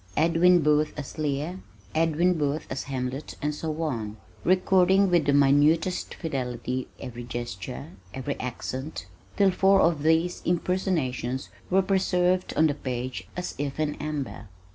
"Edwin Booth as Lear," "Edwin Booth as Hamlet," and so on, recording with minutest fidelity every gesture, every accent, till four of these impersonations were preserved on the page as if in amber.